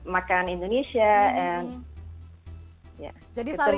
mbak anna ada di belanda ada di indonesia